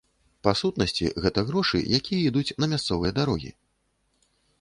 Па сутнасці, гэта грошы, якія ідуць на мясцовыя дарогі.